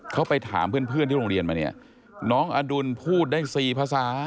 เขาไปถามเพื่อนที่โรงเรียนมาเนี่ยน้องอดุลพูดได้๔ภาษา